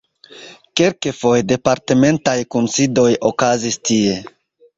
Kelkfoje departementaj kunsidoj okazis tie.